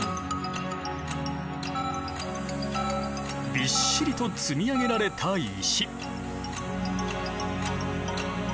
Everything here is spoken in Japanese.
びっしりと積み上げられた石。